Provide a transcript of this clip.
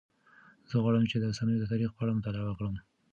زه غواړم چې د رسنیو د تاریخ په اړه مطالعه وکړم.